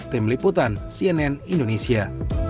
tim liputan cnn indonesia